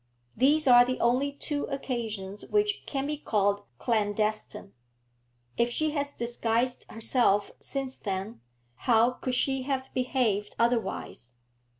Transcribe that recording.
These are the only two occasions which can be called clandestine. If she has disguised herself since then, how could she have behaved otherwise?